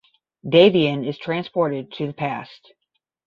Davian is transported to the past.